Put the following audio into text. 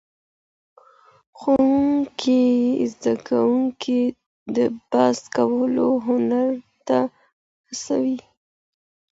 ښوونکی زدهکوونکي د بحث کولو هنر ته هڅوي.